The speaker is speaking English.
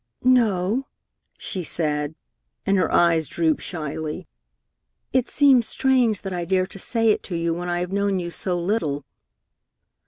"No," she said, and her eyes drooped shyly. "It seems strange that I dare to say it to you when I have known you so little."